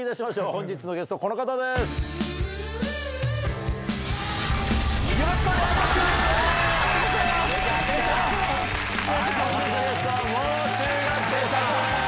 本日のゲストもう中学生さんです。